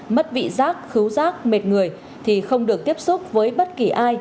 mất vị giác khứu rác mệt người thì không được tiếp xúc với bất kỳ ai